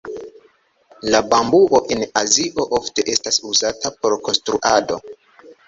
La bambuo en Azio ofte estas uzata por konstruado.